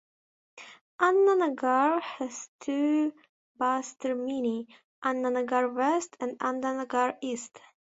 Anna Nagar has two bus termini, Anna Nagar West and Anna Nagar East.